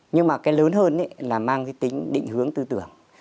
nhưng mà cái lớn hơn là mang cái tính định hướng tư tưởng